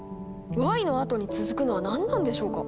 「Ｙ」のあとに続くのは何なんでしょうか？